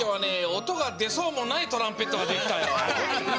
おとがでそうもないトランペットができたよ。